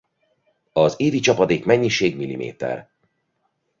Az évi csapadékmennyiség mm.